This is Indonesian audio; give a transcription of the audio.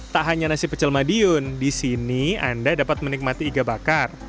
tak hanya nasi pecel madiun di sini anda dapat menikmati iga bakar